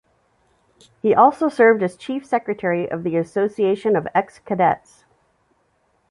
He also served as chief secretary of the Association of Ex-Cadets.